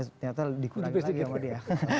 ternyata dikurangi lagi sama dia